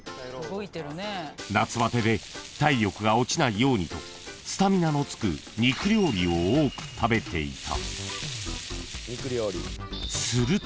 ［夏バテで体力が落ちないようにとスタミナのつく肉料理を多く食べていた］